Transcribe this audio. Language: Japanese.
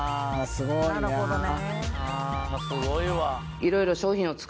なるほどね